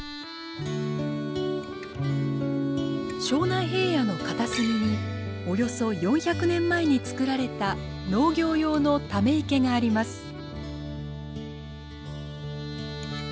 庄内平野の片隅におよそ４００年前につくられた農業用のため池があります。